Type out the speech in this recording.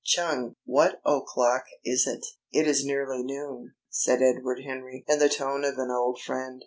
Chung, what o'clock is it?" "It is nearly noon," said Edward Henry in the tone of an old friend.